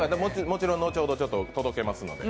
もちろん、後ほど届けますので。